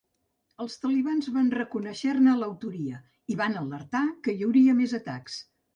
Els Talibans van reconèixer-ne l'autoria i van alertar que hi hauria més atacs.